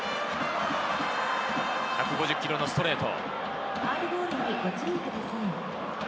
１５０キロのストレート。